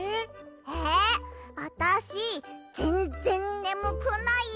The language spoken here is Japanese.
えあたしぜんぜんねむくないよ！